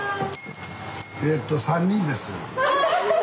えと３人です。